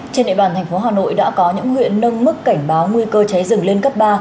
trên địa bàn thành phố hà nội đã có những huyện nâng mức cảnh báo nguy cơ cháy rừng lên cấp ba